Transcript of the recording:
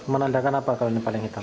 menandakan apa kalau ini paling hitam